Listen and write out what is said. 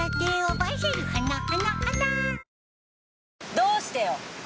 どうしてよ？